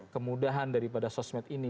kemudahan daripada sosmed ini